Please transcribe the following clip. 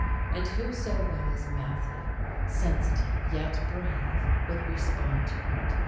And who so well as Matthew, sensitive yet brave, would respond to it?